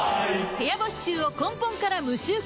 部屋干し臭を根本から無臭化